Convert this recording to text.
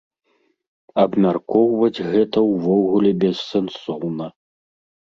Абмяркоўваць гэта ўвогуле бессэнсоўна.